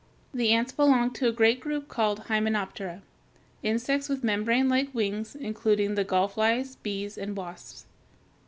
The ants belong to the great group called Hymenoptera insects with membranelike wings, including the gall flies, bees, and wasps.